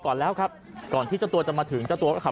ปอล์กับโรเบิร์ตหน่อยไหมครับ